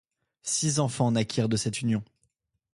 Six enfants naquirent de cette union.